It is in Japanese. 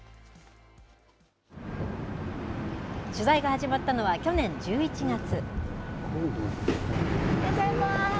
取材が始まったのは、去年１１月。